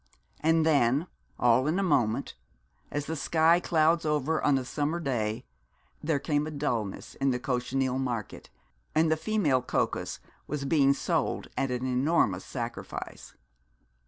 And then, all in a moment, as the sky clouds over on a summer day, there came a dulness in the cochineal market, and the female coccus was being sold at an enormous sacrifice.